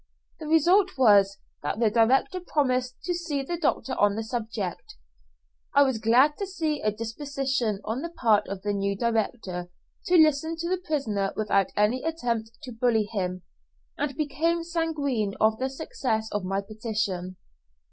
The result was, that the director promised to see the doctor on the subject. I was glad to see a disposition on the part of the new director to listen to the prisoner without any attempt to bully him, and became sanguine of the success of my petition.